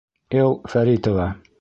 Л. ФӘРИТОВА.